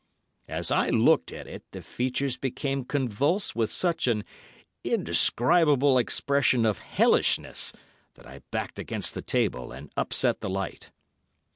"As I looked at it, the features became convulsed with such an indescribable expression of hellishness that I backed against the table and upset the light.